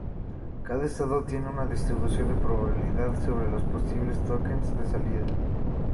Cada estado tiene una distribución de probabilidad sobre los posibles tokens de salida.